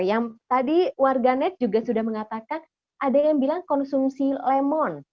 yang tadi warganet juga sudah mengatakan ada yang bilang konsumsi lemon